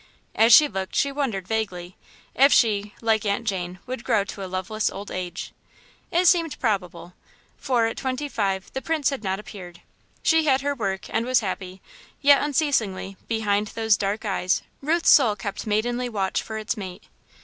As she looked, she wondered, vaguely, if she, like Aunt Jane, would grow to a loveless old age. It seemed probable, for, at twenty five, The Prince had not appeared. She had her work and was happy; yet unceasingly, behind those dark eyes, Ruth's soul kept maidenly match for its mate.